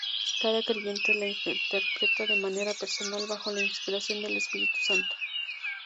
Cada creyente la interpreta de manera personal, bajo la inspiración del Espíritu Santo.